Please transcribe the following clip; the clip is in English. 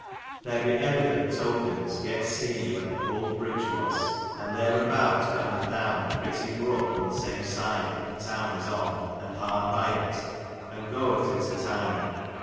Ther be evident tokens yet secne where the olde bridg was, and theraboute cummith downe a praty broke on the same side that that the toun is on, and hard by it, and goit into Tine.